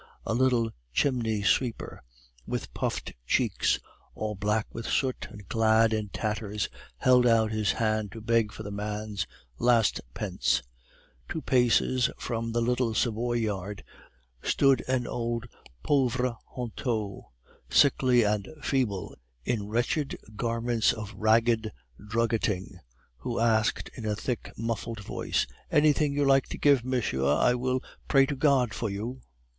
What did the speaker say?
A little chimney sweeper, with puffed cheeks, all black with soot, and clad in tatters, held out his hand to beg for the man's last pence. Two paces from the little Savoyard stood an old pauvre honteux, sickly and feeble, in wretched garments of ragged druggeting, who asked in a thick, muffled voice: "Anything you like to give, monsieur; I will pray to God for you..."